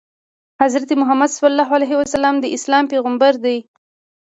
حضرت محمد ﷺ د اسلام پیغمبر دی.